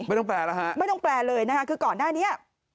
ไม่ต้องแปลหรือคะไม่ต้องแปลเลยนะคะคือก่อนหน้านี้